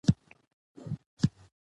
ګیلاس له سکوت سره خبرې کوي.